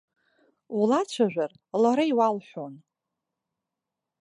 Улацәажәар, лара иуалҳәон.